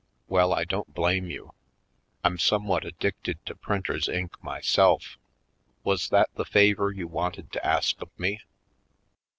Well, I don't blame you. I'm somewhat addicted to printers' ink myself. Was that the favor you wanted to ask of me?"